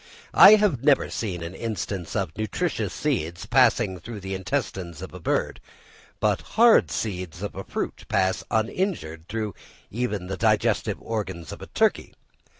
I have never seen an instance of nutritious seeds passing through the intestines of a bird; but hard seeds of fruit pass uninjured through even the digestive organs of a turkey.